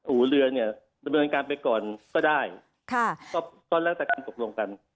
หูเรือเนี่ยดำเนินการไปก่อนก็ได้ค่ะก็แล้วแต่การตกลงกัน